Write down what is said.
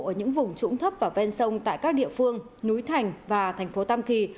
ở những vùng trũng thấp và ven sông tại các địa phương núi thành và thành phố tam kỳ